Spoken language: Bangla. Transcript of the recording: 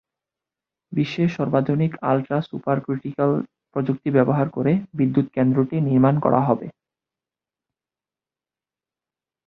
বিশ্বের সর্বাধুনিক আলট্রা সুপার ক্রিটিক্যাল প্রযুক্তি ব্যবহার করে বিদ্যুৎকেন্দ্রটি নির্মাণ করা হবে।